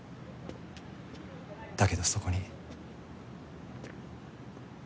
だけどそこに。